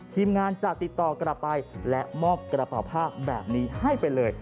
ทีมงานจะติดต่อกลับไปและมอบกระเป๋าผ้าแบบนี้ให้ไปเลย